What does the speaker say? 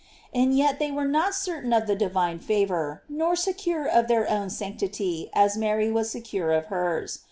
And yet they were not certain of the divine favor, nor secure of their own sanctity, as Mary was secure of hers.